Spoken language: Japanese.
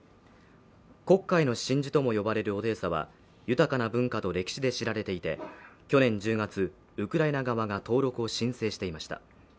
黒海の真珠とも呼ばれるオデーサは豊かな文化と歴史で知られていて去年１０月、ウクライナ側が登録を申請していました。